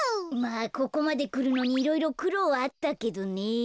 まあここまでくるのにいろいろくろうはあったけどね。